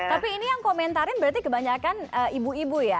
tapi ini yang komentarin berarti kebanyakan ibu ibu ya